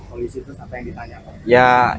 polisi terus apa yang ditanyakan